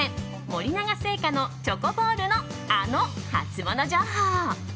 森永製菓のチョコボールのあのハツモノ情報。